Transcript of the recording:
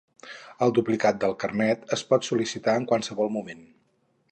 El duplicat del carnet es pot sol·licitar en qualsevol moment.